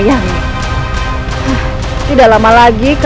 ibu nang akan selamatkan ibu